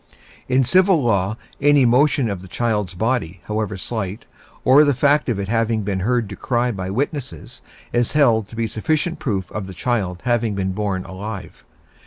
In Civil law any motion of the child's body, however slight, or the fact of it having been heard to cry by witnesses, is held to be sufficient proof of the child having been born alive.